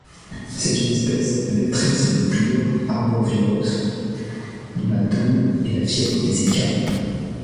C'est une espèce vectrice de plusieurs arboviroses, dont la dengue et la fièvre Zika.